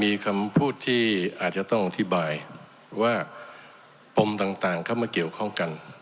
มีคำพูดที่อาจจะต้องอธิบายว่าปมต่างเข้ามาเกี่ยวข้องกัน